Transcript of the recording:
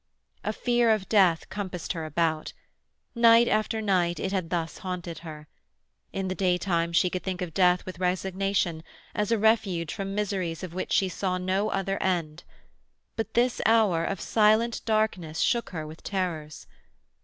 A fear of death compassed her about. Night after night it had thus haunted her. In the daytime she could think of death with resignation, as a refuge from miseries of which she saw no other end; but this hour of silent darkness shook her with terrors.